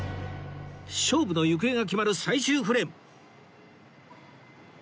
勝負の行方が決まる最終フレーム